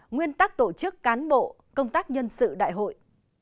nguyên tắc tổ chức cán bộ công tác nhân sự đại hội